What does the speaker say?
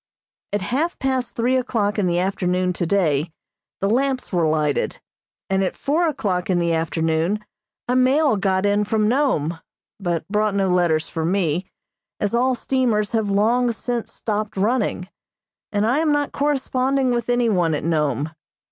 At half past three o'clock in the afternoon today the lamps were lighted, and at four o'clock in the afternoon a mail got in from Nome, but brought no letters for me, as all steamers have long since stopped running, and I am not corresponding with any one at Nome.